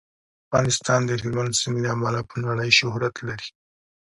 افغانستان د هلمند سیند له امله په نړۍ شهرت لري.